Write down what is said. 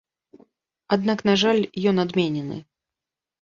Аднак, на жаль, ён адменены.